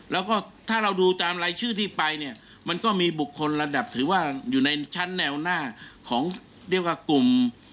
แล้วก็ถ้าเราดูตามรายชื่อที่ไปเนี่ยมันก็มีบุคคลระดับถือว่าอยู่ในชั้นแนวหน้าของเรียกว่ากลุ่ม